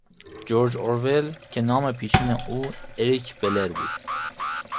جرج ارول که نام پیشین او اریک بلر بود